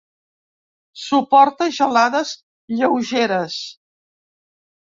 Suporta gelades lleugeres.